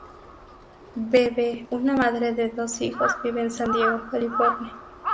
Beebe, una madre de dos hijos, vive en San Diego, California.